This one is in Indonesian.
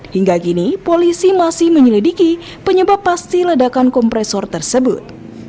hingga kini polisi masih menyelidiki penyebab pasti ledakan kompresor tersebut